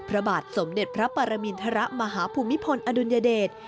พระบาทสมเด็จพระปรมินทรมาฮภูมิพลอดุลยเดช